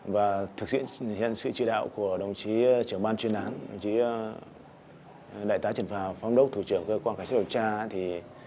và thực hiện hiện sự truy đạo của đồng chí trưởng ban chuyên án đồng chí đại tá trần văn khoa phóng đốc thủ trưởng cơ quan khách sát đột tra thì